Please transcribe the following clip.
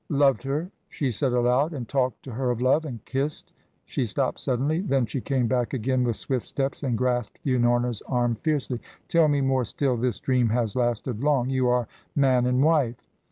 "Loved her," she said aloud, "and talked to her of love, and kissed " She stopped suddenly. Then she came back again with swift steps and grasped Unorna's arm fiercely. "Tell me more still this dream has lasted long you are man and wife!"